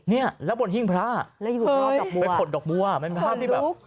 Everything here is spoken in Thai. เนี่ยแล้วบนหิ้งพระไปเผาดอกมั่วอ่ะไหมพ่อดรูป